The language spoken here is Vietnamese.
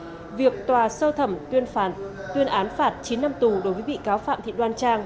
sau đó việc tòa sơ thẩm tuyên phạt chín năm tù đối với bị cáo phạm thị đoan trang